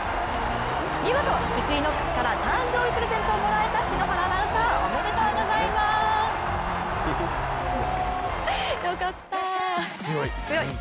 見事イクイノックスから誕生日プレゼントをもらえた篠原アナウンサー、おめでとうございます！よかった、強い！